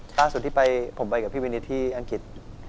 ล่าสุดที่ไปผมไปกับพี่วินิตที่อังกฤษ